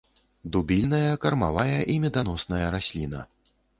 Дубільная, кармавая і меданосная расліна.